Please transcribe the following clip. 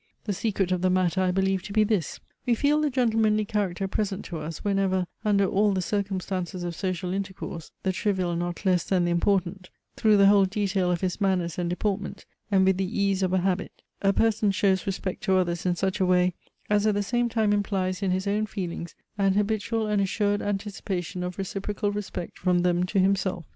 The secret of the matter, I believe to be this we feel the gentlemanly character present to us, whenever, under all the circumstances of social intercourse, the trivial not less than the important, through the whole detail of his manners and deportment, and with the ease of a habit, a person shows respect to others in such a way, as at the same time implies in his own feelings an habitual and assured anticipation of reciprocal respect from them to himself.